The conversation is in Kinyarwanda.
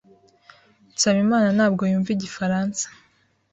Nsabimana ntabwo yumva igifaransa.